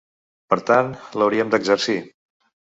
Per tant, l’hauríem d’exercir.